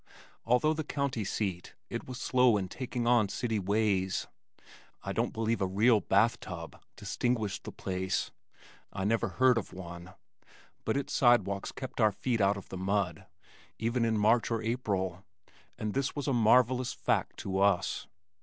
Although the county seat, it was slow in taking on city ways. I don't believe a real bath tub distinguished the place (I never heard of one) but its sidewalks kept our feet out of the mud (even in March or April), and this was a marvellous fact to us.